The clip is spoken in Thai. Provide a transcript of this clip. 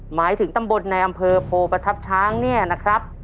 หมายถึงตำบลในอำเภอโพประทับช้างเนี่ยนะครับ